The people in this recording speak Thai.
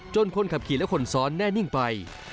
คนขับขี่และคนซ้อนแน่นิ่งไป